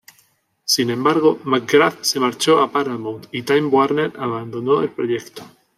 Sin embargo, McGrath se marchó a Paramount, y Time Warner abandonó el proyecto.